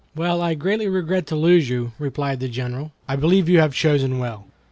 "While I greatly regret to lose you," replied the General, "I believe you have chosen well.